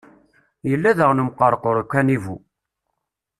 Yella daɣen umqerqur ukanivu.